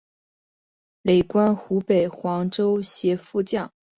累官湖北黄州协副将。